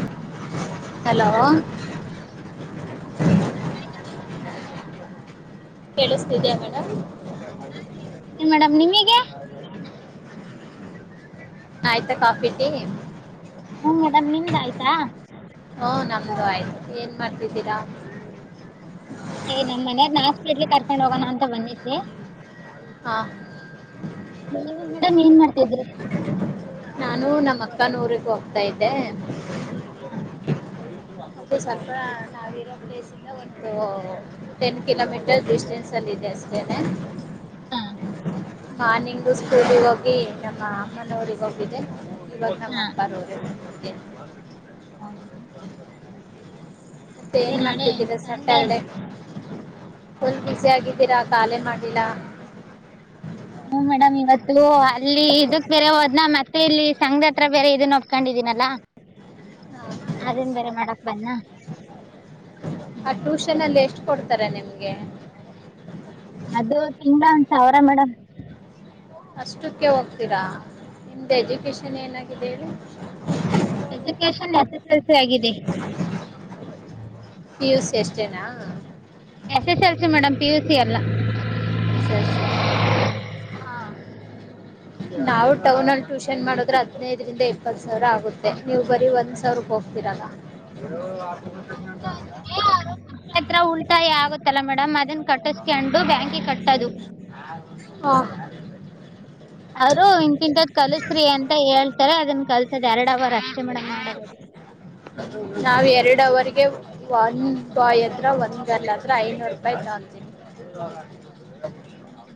[inaudible] [unintelligible] Hello. Hello ಆಯ್ madam ಆಯ್ತ coffee. ಕೇಳಿಸ್ತಿದೀಯಾ ಮೇಡಮ್ ಏನ್ ಮೇಡಮ್ ನಿಮಗೇ. ಆಯ್ತಾ ಕಾಫಿ ಟಿ. ಹ್ಮ ಮೇಡಮ್ ನಿಮ್ದ ಆಯ್ತಾ. ಹು ನಮ್ದು ಆಯ್ತು ಏನ್ ಮಾಡ್ತಿದ್ದೀರಾ. ನಮ್ಮ ಮನೆಯಾರ್ ನ ಹಾಸ್ಪಿಟ್ಲ್ ಕರ್ಕೊಂಡ್ ಹೋಗೋಣ ಅಂತ ಬಂದಿದ್ದೆ. ಹಾ ನೀವು ಮೇಡಮ್ ಏನ್ ಮಾಡ್ತಿದ್ರಿ. ನಾನು ನಮ್ಮ ಅಕ್ಕನ್ ಊರಿಗ್ ಹೋಗ್ತಾ ಇದ್ದೆ. ಹಾಂ ಮತ್ತು ಸ್ವಲ್ಪ ನಾವಿರೋ ಪ್ಲೇಸ್ ಇಂದ ಒಂದ್ ಓ ಟೆನ್ ಕಿಲೋಮೀಟರ್ ಡಿಸ್ಟೆನ್ಸ್ ಅಲ್ಲಿ ಇದೆ ಅಷ್ಟೇನೆ. ಹಾ ಮಾರ್ನಿಂಗು ಸ್ಕೂಲ್ಗ ಹೋಗಿ ನಮ್ಮ ಅಮ್ಮನವ್ರಗ್ ಹೋಗಿದ್ದೆ ಇವಾಗ ನಮ್ಮ್ ಹಾಂ ಅಪ್ಪಾರ ಊರ್ [unintelligible] [unintelligible] ತ್ತೆ ಅದೇ ಏನ್ ನಾಳೆ ಮಾಡ್ತಿದ್ದೀರ ಸಂಡೇ ಸ್ಯಾಟರ್ಡೆ. ಫುಲ್ ಬಿಸಿ ಆಗಿದ್ದೀರಾ ಕಾಲೆ ಮಾಡಿಲ್ಲ. ಹ್ಮ್ ಮೇಡಮ್ ಇವತ್ [unintelligible] ಅಲ್ಲಿ ಇದಕ್ ಬೇರೆ ಹೋದ್ನ ಮತ್ತೆ ಇಲ್ಲಿ ಸಂಘದ ಹತ್ರ ಬೇರೆ ಇದನ್ನ ಒಪ್ಕೊಂಡಿದೀನಲ್ಲಾ. ಹ ಅದನ್ ಬೇರೆ ಮಾಡಕ್ ಬನ್ನ. ಹ್ಮ ಹೌದು. [unintelligible] ಎಷ್ಟು ಕೊಡ್ತಾರೆ ನಿಮ್ [unintelligible] ಅದು ತಿಂಗಳ ಒಂದ ಸಾವಿರ ಮೇಡಮ್ ಅಷ್ಟಕ್ಕೆ ಹೋಗ್ತೀರಾ ನಿಮ್ದು ಎಜುಕಷನ್ ಏನಾಗಿದೆ ಹೇಳಿ. Education S S L C ಆಗಿದೆ. ಪಿಯುಸಿ ಎಷ್ಟೇನಾ. S S L C madam P UC ಅಲ್ಲಾ. ಎಸ್ ಎಲ್ ಸಿ ನ. [inaudible] ನಾವು ಟೌನ್ ಅಲ್ಲಿ ಟ್ಯೂಷನ್ ಮಾಡೋದ್ರೆ ಹದ್ನೈದರಿಂದ ಇಪ್ಪತ್ ಸಾವಿರ ಆಗುತ್ತೆ ನೀವು ಬರಿ ಒಂದ್ ಸಾವಿರಕ್ ಹೋಗ್ ತಿರಲ. [unintelligible] [unintelligible] ಮಕಳ್ ಹತ್ರ ಉಳ್ತಾಯ ಆಗತ್ತಲ್ಲ ಮೇಡಮ್ ಅದನ್ ಕಟ್ಟಸ್ಕಂಡು ಬ್ಯಾಂಕಿಗೆ ಕಟ್ಟದು. ಹಾ ಅವ್ರು ಇಂತಿಂತದ್ ಕಲ್ಸ್ರಿ ಅಂತ ಹೇಳ್ತಾರೆ ಅದನ್ ಕಲ್ಸೋದ್ ಎರಡ್ ಅವರ್ ಅಷ್ಟೇ ಮೇಡಮ್. [unintelligible] ನಾವ್ ಎರಡುವರಿಗೆ ಒಂದ್ ಬಾಯ್ ಹತ್ರ ಒಂದ್ ಗರ್ಲ್ ಹತ್ರ ಐನೂರು ರೂಪಾಯಿ ತುಗೊಂತೀನಿ [inaudible] ಹೌದಾ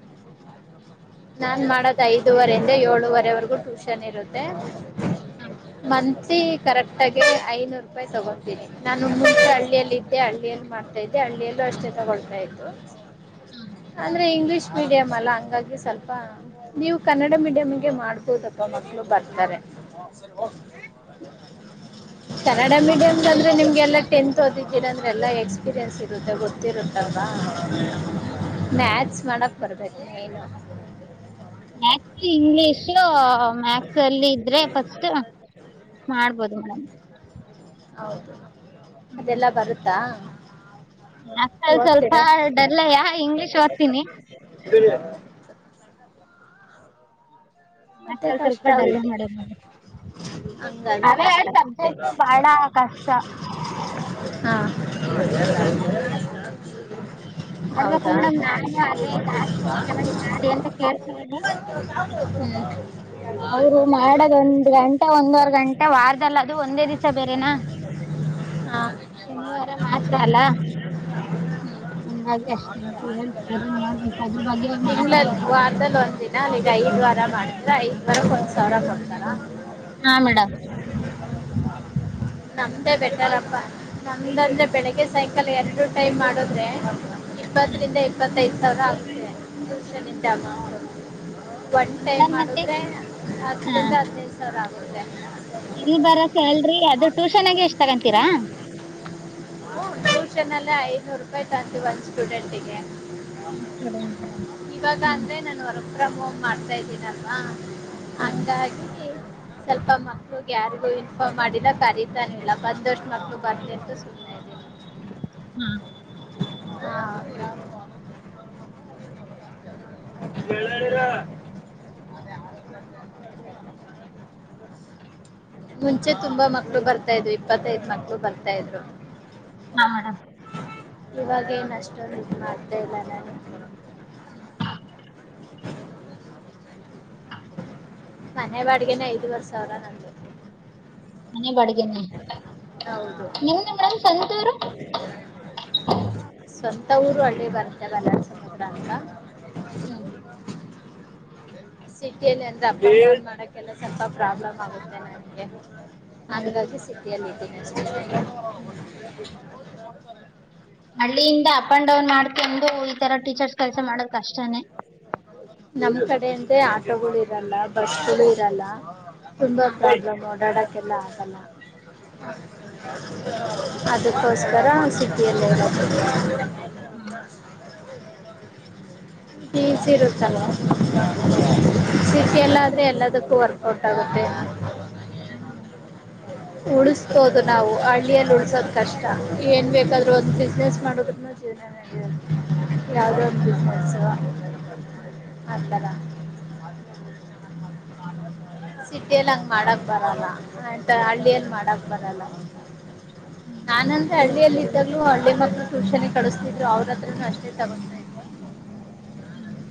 ನಾನ್ ಮಾಡೋದ ಐದೂುವರೆಿಂದ ಏಳುವರೆವರೆಗೂ ಟ್ಯೂಷನ್ ಇರುತ್ತೆ ಮಂತ್ಲಿ ಕರೆಕ್ಟ್ಗ ಐನೂರು ರೂಪಾಯಿ ತುಗೋತೀನಿ ನಾನು ಮುಂಚೆ ಹಳ್ಳಿಯಲ್ಲಿ ಇದ್ದೆ ಹಳ್ಳಿಯಲ್ಲಿ ಮಾಡ್ತಾ ಇದ್ದೆ ಹಳ್ಳಿಯಲ್ಲೂ ಅಷ್ಟೇ ತಗೊಳ್ತಾ ಇತ್ತು ಅಂದ್ರೆ ಇಂಗ್ಲಿಷ್ ಮೀಡಿಯಂ ಅಲ್ಲ ಹಂಗಾಗಿ ಸ್ವಲ್ಪ ನೀವು ಕನ್ನಡ ಮೀಡಿಯಂಗೆ ಮಾಡ್ಬೋದಪ್ಪ ಮಕ್ಕಳು ಬರ್ತಾರೆ ಕನ್ನಡ ಮೀಡಿಯಂ ಅಂದ್ರೆ ನಿಮ್ಗೆಲ್ಲ ಟೆಂತ್ ಟೆಂತ ಓದಿದ್ದೀರಾ ಅಂದ್ರೆಲ್ಲಾ ಎಕ್ಸ್ಪೀರಿಯನ್ಸ್ ಇರುತ್ತೆ ಗೊತ್ತಿರುತ್ತಲ್ ಹ್ಮ್ ಮ್ಯಾಥ್ಸ್ ಮಾಡಕ್ಕ ಬರ್ಬೇಕು ಏನು ಮ್ಯಾಥ್ಸ್ ಇಂಗ್ಲಿಷ್ ಮ್ಯಾಥ್ಸ್ ಅಲ್ಲಿ ಇದ್ರೆ ಫಸ್ಟ್ ಮಾಡ್ಬೋದು ಮೇಡಮ್ ಹೌದು ಅದೆಲ್ಲ ಬರುತ್ತಾ ಮ್ಯಾಥ್ಸ್ ಅಲ್ಲಿ ಸ್ವಲ್ಪ ಓದ್ತೀರಾ ಡಲ್ಲ ಇಂಗ್ಲಿಷ ಓದ್ತನಿ [unintelligible] ಮ್ಯಾಥ್ಸ್ ಮತ್ತೆ ಅಲ್ಲಿ ಕಷ್ಟ ಸ್ವಲ್ಪ ಡಲ್ಲೆ ಆಗುತ್ತೆ ಮೇಡಮ್ ಹಂಗಾಗಿ ಅದೇ ಕಷ್ಟ ಆಗುತ್ತೆ ಸಬ್ಜೆಕ್ಟ್ ಬಾಳ ಕಷ್ಟ ಹಾ ನೋಡ್ಬೇಕು ಹೌದಾ ಮೇಡಮ್ ನಾನು ಅದೇ ಜಾಸ್ತಿ ಪೇಮೆಂಟ್ ಮಾಡಿ ಅಂತ ಹ್ಮ್ ಅವರು ಮಾಡದೊಂದ್ ಗಂಟೆ ಒಂದವರ್ ಗಂಟೆ ವಾರದಲ್ಲ ಅದು ಒಂದೇ ದಿವಸ ಬೇರೆನಾ ಹಾ ಶನಿವಾರ ಮಾತ್ರ ಅಲ್ಲ ಹ್ಮ್ ಅದ ಅಷ್ಟೇ ಹೇಳ್ತಿದ್ದಾರೆ ನೋಡ್ಬೇಕ ಅದರ ಬಗ್ಗೆ ಮಾತಾಡ್ಬೇಕು ಮೇಡಮ್ ವಾರದಲ್ಲಿ ಒಂದ ದಿನ ಅಲ್ಲಿಗೆ ಐದ್ ವಾರ ಮಾಡಿದ್ರ ಐದ್ ವಾರಕ್ ಒಂದ್ ಸಾವಿರ ಕೊಡ್ತಾರ ಹಾ ಮೇಡಮ್ ನಮ್ದೇ ಬೆಟರ್ಪ್ಪಾ ನಮ್ದ ಅಂದ್ರೆ ಬೆಳಿಗ್ಗೆ ಸಾಯಂಕಾಲ ಎರಡು ಟೈಮ್ ಮಾಡುದ್ರೆ ಇಪ್ಪತ್ತರಿಂದ ಇಪ್ಪತ್ತೈದ ಸಾವಿರ ಆಗುತ್ತೆ ಟ್ಯೂಷನ್ ಇಂದ ಹ ಒನ್ ಟೈಮ್ ಮೇಡಮ್ ಮತ್ತೆ ಮಾಡುದ್ರೆ ಹಾ ಹತ್ತರಿಂದ ಹದ್ನೈದು ಸಾವಿರ ಆಗುತ್ತೆ ಇಲ್ಲಿ ಬ್ಯಾರೆ ಸ್ಯಾಲ್ರಿ ಅದ ಟ್ಯೂಷನ್ ಆಗ ಎಷ್ಟ ತಗೊಂತೀರಾ ಹೂ ಟ್ಯೂಷನ್ ಅಲ್ಲೇ ಐದನೂರು ರೂಪಾಯಿ ತುಗೊತೀವಿ ಒಂದ್ ಸ್ಟೂಡೆಂಟಗೆ ಇವಾಗ ಅಂದ್ರೆ ನಾನು ಹೊರ ಹೊರಗ ಹೋಗಿ ಮಾಡ್ತಾ ಇದ್ದೀನಲ್ವಾ ಹ್ಮ್ ಹಂಗಾಗಿ ಸ್ವಲ್ಪ ಮಕ್ಳಿಗೆ ಯಾರಿಗು ಇನ್ಫಾರ್ಮ್ ಮಾಡಿಲ್ಲ ಕರೀತಾನ ಇಲ್ಲ ಬಂದಷ್ಟು ಮಕ್ಳು ಬರ್ತಿಂತು ಸುಮ್ನೆ ಹ್ಮ ಹಾ [unintelligible] ಮುಂಚೆ ತುಂಬಾ ಮಕ್ಳು ಬರ್ತಾ ಇದ್ರು ಇಪ್ಪತ್ತೈದ ಮಕ್ಳು ಬರ್ತಾ ಇದ್ರು ಹಾ ಮೇಡಮ್ ಇವಾಗೇನ್ ಅಷ್ಟೊಂದು ಇದ ಮಾಡ್ತ ಇಲ್ಲ ನಾನು ಹ ಮನೆ ಬಾಡಿಗೆನೆ ಐದುವರೆ ಸಾವಿರ ನಂದು ಮನೆ ಬಾಡಿಗೆ ಹೌದು [inaudible] ನಿಮ್ದ ಮಡಮ್ ಸಂತೂರು ಸ್ವಂತ ಊರು ಹಳ್ಳಿ ಬರ್ತ್ತೆ [unintelligible] ಅಂತ ಹ್ಮ್ ಸಿಟಿಯಲ್ಲಿ ಅಂದ್ರೆ ಅಪ್ ಅಂಡ್ ಡೌನ್ ಮಾಡಕ್ಕೆಲ್ಲ ಸ್ವಲ್ಪ ಪ್ರಾಬ್ಲಮ್ ಆಗುತ್ತೆ ನನ್ಗೆ ಹಂಗಾಗಿ ಸಿಟಿ ಅಲ್ಲಿ ಇದ್ದೀನಿ [unintelligible] ಹ್ಮ [inaudible] ಹಳ್ಳಿಯಿಂದ ಅಪ್ ಅಂಡ್ ಡೌನ್ ಮಾಡ್ಕೊಂಡು ಈ ತರ ಟೀಚರ್ಸ್ ಕೆಲಸ ಮಾಡಕ್ ಕಷ್ಟನೇ ನಮ್ ಕಡೆ ಅಂದ್ರೆ ಆಟೋಗಳು ಇರಲ್ಲ ಬಸ್ಗಳು ಇರಲ್ಲ ತುಂಬಾ ಹಾ ಪ್ರಾಬ್ಲಮ್ ಓಡಾಡೋಕೆಲ್ಲ ಆಗಲ್ಲ ಹಾ ಅದಕ್ಕೋಸ್ಕರ ಸಿಟಿಯಲ್ಲಿ ಇರೋದು ಹ್ಮ್ [unintelligible] ಇರುತ್ತಲ್ವಾ ಸಿಟಿ ಯಲ್ಲಾದರೆ ಎಲ್ಲದಕ್ಕೂ ವರ್ಕೌಟ್ ಆಗುತ್ತೆ ಹ್ಮ್ ಉಳು ಹೋದು ನಾವು ಹಳ್ಳಿಯಲ್ಲಿ ಉಳಿಸುವುದು ಕಷ್ಟ ಏನ್ ಬೇಕಾದ್ರೂ ಒಂದ ಬಿಸ್ನೆಸ್ ಮಾಡೋದ [inaudible] [inaudible] ಯಾವುದೋ ಒಂದು ಬಿಸ್ನೆಲ್ಸು [unintelligible] [inaudible] ಸಿಟಿಯಲ್ಲಿ ಹಂಗ್ ಮಾಡಕ್ ಬರಲ್ಲ ಅಂತ ಹಳ್ಳಿಯಲ್ಲಿ ಮಾಡಕ್ ಬರಲ್ಲ ನಾನಂದ್ರೆ ಹಳ್ಳಿಯಲ್ಲಿ ಇದ್ದಾಗ್ಲೂ ಹಳ್ಳಿ ಮಕ್ ಟ್ಯೂಷನ್ ಗೆ ಕಳಿಸ್ತಿದ್ರು ಅವ್ರತ್ರನು ಅಷ್ಟೇ ತಗೊ ಹ್ಮ [inaudible]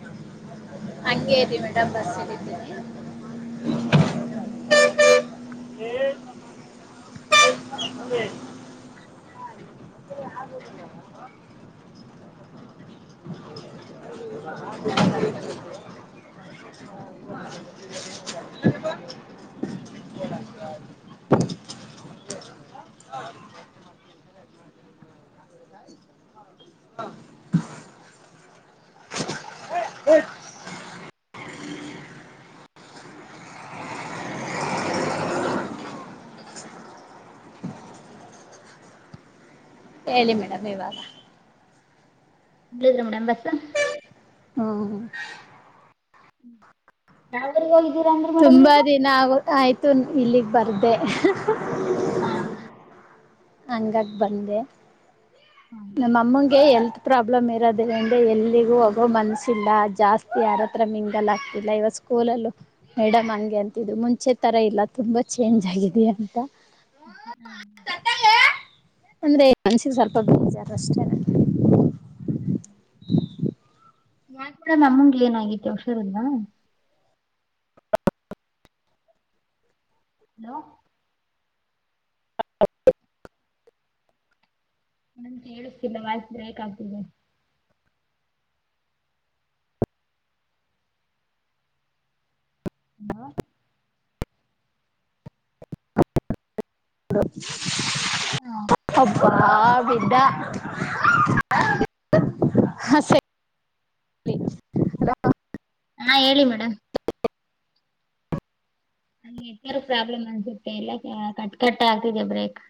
ಹಂಗೇರಿ ಮೇಡಮ್ ಬಸ್ ಇಳಿತೀನಿ ಹ್ಮ್ [unintelligible] [inaudible] [inaudible] [unintelligible] [unintelligible] ಹೇಳಿ ಮೇಡಮ್ ಇವಾಗ ಇಳಿದ್ರಾ ಮೇಡಮ್ ಬಸ ಹ್ಮ ಯಾವರಿಗ ಹೋಗಿದ್ದೀರಾ ಅಂದ್ರೆ ಮೇಡಮ್ ನೀವು ನಾವು ಆಯ್ತು ಇಲ್ಲಿಗ್ ಬರ್ದೆ [unintelligible] ಹಾ ಹಂಗಾಗ್ ಬಂದೆ ನಮ್ಮಮ್ಮಗೆ ಹೆಲ್ತ್ ಪ್ರಾಬ್ಲಮ್ ಇರೋದ್ರಿಂದ ಎಲ್ಲಿಗೂ ಹೋಗೋ ಮನ್ಸಿಲ್ಲ ಜಾಸ್ತಿ ಯಾರತ್ರ ಮಿಂಗಲ್ ಆಗ್ತಿಲ್ಲ ಇವಾಗ ಸ್ಕೂಲಲ್ಲೂ ಮೇಡಮ್ ಹಂಗೆ ಅಂತಿದ್ರು ಮುಂಚೆ ತರ ಇಲ್ಲ ತುಂಬಾ ಚೇಂಜ್ ಆಗಿದೆಯ ಅಂತ ಹ್ಮ್ [unintelligible] ಅಂದ್ರೆ ಮನ್ಸಿಗೆ ಸ್ವಲ್ಪ ಬೇಜಾರ ಅಷ್ಟೇನೇ [inaudible] [inaudible] [unintelligible] ನಮ್ಏನಾಗೈತಿ ಹುಷಾರಿಲ್ಲಾ ಹಲೋ [unintelligible] ನಂಗ್ ಕೇಳಿಸ್ತಿಲ್ಲ ವಾಯ್ಸ ಬ್ರೇಕ್ ಆಗ್ತಿದೆ. ಹಲೋ [unintelligible] [unintelligible] ಹಾ ಹೇಳಿ ಮೇಡಮ್? [unintelligible] ನೆಟ್ವರ್ಕ್ ಪ್ರಾಬ್ಲಮ್ ಅನ್ಸುತ್ತೆ ಎಲ್ಲಾ ಕಟ್ ಕಟ್ಟ ಆಗ್ತಿದೆ ಬ್ರೇಕ್.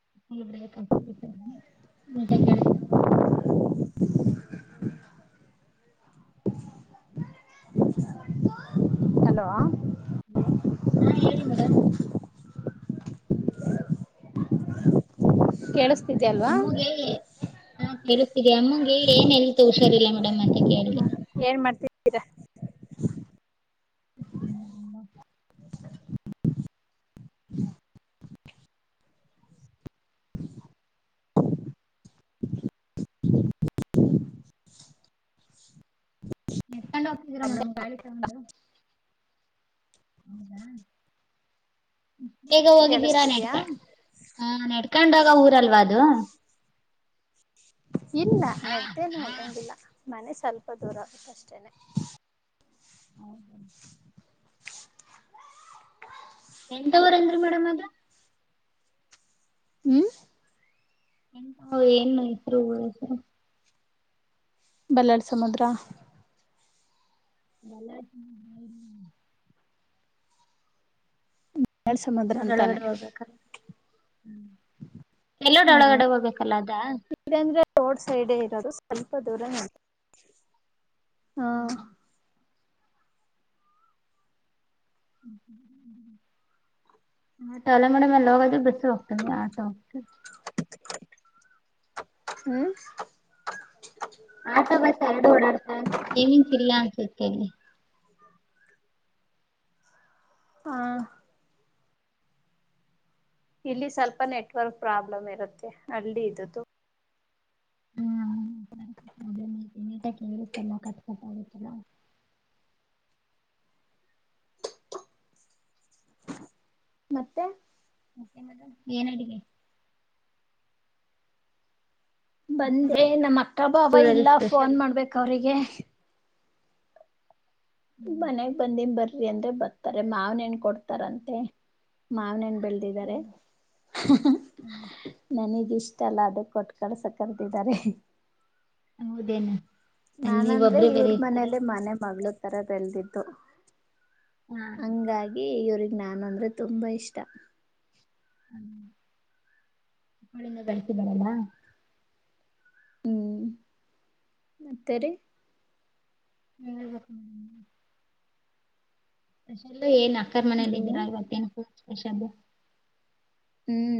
[unintelligible] ಹಲೋ ಹಲೋ ಹಾ ಹೇಳಿ ಮೇಡಮ್? ಕೇಳಿಸ್ತಿದೆ ಅಲ್ವಾ? ಹಾ ಕೇಳಿಸ್ತಿದೆ ಅಮ್ಮಂಗೆ ಏನ್ ಹೆಲ್ತ ಹುಷಾರಿಲ್ಲ ಮೇಡಮ್ ಅಂತ ಕೇಳ್ದೆ? ಏನ್ ಮಾಡ್ತೀ [unintelligible] [unintelligible] [inaudible] [inaudible] ನೆಡ್ಕೊಂಡು ಹೋಗ್ತಿದ್ದೀರಾ ಮೇಡಮ್ ಗಾಳಿ ಸೌಂಡ್? [unintelligible] ಇಸ್ಟ ಬೇಗ ಹೋಗಿದ್ದೀರಾ ಕೇಳಿಸ್ತಿದ್ಯಾ ನೆಡ್ಕೊಂಡ್ ಹ ನೆಡ್ಕೊಂಡೋಗ ಊರಲ್ವಾ ಅದು? ಇಲ್ಲ ನೆಡ್ದೇನ ಹೋಗಂಗಿಲ್ಲ ಮನೆ ಸ್ವಲ್ಪ ದೂರ ಆಗುತ್ತೆ ಅಷ್ಟೇನೆ. ಹೌದ? ಎಂತ ಊರ್ ಅಂದ್ರಿ ಮೇಡಮ್ ಅದು? ಹ್ಮ ಎಂತ ಏನು ಹೆಸರು ಊರ್ ಹೆಸರು? ಬಲ್ಲಾಳ್ ಸಮುದ್ರ. ಬಲ್ಲಾಳ್ ಸಮುದ್ರ [unintelligible] ಬಲ್ಲಾಳ್ ಸಮುದ್ರ [unintelligible] ಅಂತಾನೆ ಎಲ್ಲೋಡ್ ಹಾ ಒಳಗಡೆ ಹೋಗ್ಬೇಕಲ್ಲ ಅದಾ? [unintelligible] ರೋಡ್ ಸೈಡೇ ಇರೋದು ಸ್ವಲ್ಪ ದೂರ ನಡೀಬೇಕು. ಹಾ [unintelligible] ಬಸ್ಸು [unintelligible] ಆಟೋ [unintelligible] ಹ್ಮ ಆಟೋ ಬಸ್ ಎರಡು ಓಡಾಡ್ತ ಅಂದ್ರೆ ಟೈಮಿಂಗ್ [unintelligible] ಹಾ ಇಲ್ಲಿ ಸ್ವಲ್ಪ ನೆಟ್ವರ್ಕ್ ಪ್ರಾಬ್ಲಮ್ ಇರುತ್ತೆ. ಹಳ್ಳಿ ಇದ್ದುದ್ದು. ಈಗ ಕೇಳುತ್ತ ಮಾತಾಡ್ [unintelligible] ಮತ್ತೆ? ಮತ್ತೆ ಮೇಡಮ್ ಏನ್ ಅಡಗೆ? ಬಂದೆ ನಮ್ ಅಕ್ಕ ಭಾವ ಇಲ್ಲ ಫೋನ್ ಮಾಡ್ಬೇಕ್ ಅವ್ರಿಗೆ. ಮನೆಗ್ ಬಂದಿನ್ ಬರ್ರಿ ಅಂದ್ರೆ ಬರ್ತಾರೆ ಮಾವನ್ ಹಣ್ ಕೊಡ್ತಾರಂತೆ ಮಾವನ್ ಹಣ್ ಬೆಳ್ [unintelligible] ನನಗಿಷ್ಟ ಅಲ್ಲ ಅದಕ್ ಕೊಟ್ಟು ಕಳ್ಸೋಕಂತ್ ಇದಾರೆ. ಹೌದೆನು. ನಾನಂದ್ರೆ ಇವ್ರ್ ಮನೇಲಿ ಮನೆ ಮಗಳ ತರ ಬೆಳದಿದ್ದು. ಹಂಗಾಗಿ ಇವ್ರಗ್ ನಾನು ಅಂದ್ರೆ ತುಂಬಾ ಇಷ್ಟ. ಹ್ಮ ಅವಳಿಂದ ಬೆಳಸಿದ್ದಾಳಲ್ಲ. ಹ್ಮ್ ಮತ್ತೆ ರಿ. ಹೇಳ್ಬೇಕು. ಸ್ಪೆಷಲ್ ಏನ್ ಅಕ್ಕರ ಹಲೋ ಮನೇಲಿದ್ದೀರಾ ಇವತ್ತೇನ್ ಫುಲ್ ಸ್ಪೆಷಲ್ಲೂ. ಹ್ಮ್.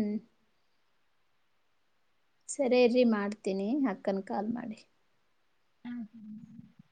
ಸರಿೇ ಇರಿ ಮಾಡ್ತೀನಿ ಅಕ್ಕನ ಕಾಲ್ ಮಾಡಿ. ಹ್ಮ್ಮ್.